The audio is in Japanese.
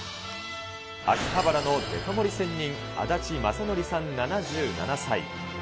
秋葉原のデカ盛り仙人、安達正則さん７７歳。